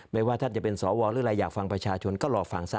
ไม่ว่าท่านจะเป็นสวรรค์หรืออยากฟังประชาชนก็รอฟังซะ